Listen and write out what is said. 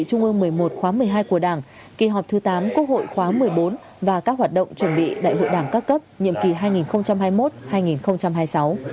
hai mươi hai của đảng kỳ họp thứ tám quốc hội khóa một mươi bốn và các hoạt động chuẩn bị đại hội đảng các cấp nhiệm kỳ hai nghìn hai mươi một hai nghìn hai mươi sáu